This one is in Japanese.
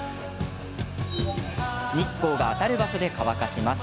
日光が当たる場所で乾かします。